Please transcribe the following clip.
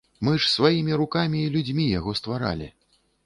Мы ж сваімі рукамі і людзьмі яго стваралі.